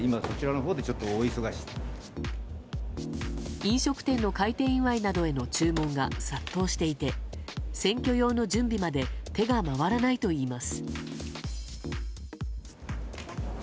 飲食店の開店祝いなどへの注文が殺到していて選挙用の準備まで手が回らないといいます。